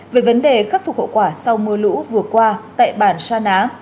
về vấn đề khắc phục hậu quả sau mưa lũ vừa qua tại bản sa ná